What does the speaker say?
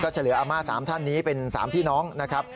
เฉลยอาม่า๓ท่านนี้เป็น๓พี่น้องนะครับ